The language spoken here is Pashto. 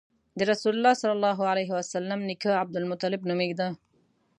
د رسول الله نیکه عبدالمطلب نومېده.